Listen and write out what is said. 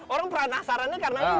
orang penasarannya karena ini loh mas